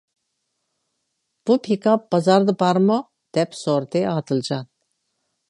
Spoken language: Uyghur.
بۇ پىكاپ بازاردا بارمۇ؟ -دەپ سورىدى ئادىلجان.